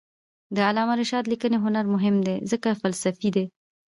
د علامه رشاد لیکنی هنر مهم دی ځکه چې فلسفي دی.